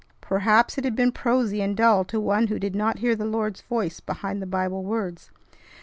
Perhaps it had been prosy and dull to one who did not hear the Lord's voice behind the Bible words.